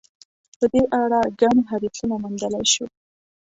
په دې اړه ګڼ حدیثونه موندلای شو.